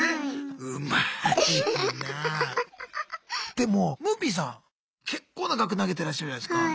でもむーぴんさん結構な額投げてらっしゃるじゃないすか。